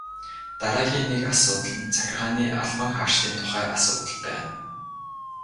Дараагийн нэг асуудал нь захиргааны албан хаагчдын тухай асуудал байна.